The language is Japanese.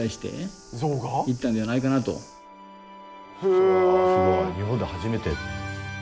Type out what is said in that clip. それはすごい日本で初めて。